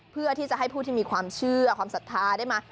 เพื่อที่จะให้ผู้ที่มีความเชื่อความศรัทธาได้มา